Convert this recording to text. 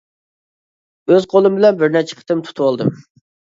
ئۆز قولۇم بىلەن بىر نەچچە قېتىم تۇتۇۋالدىم.